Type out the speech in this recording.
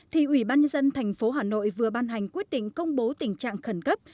thì ủy ban dân thành phố hà nội vừa ban hành quyết định công bố tình trạng khẩn cấp